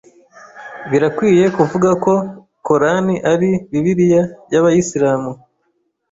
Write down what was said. Birakwiye kuvuga ko Qor'ani ari Bibiliya y’abayisilamu?